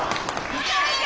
いけいけ！